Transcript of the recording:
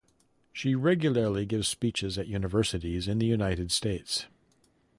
She regularly gives speeches at universities in the United States.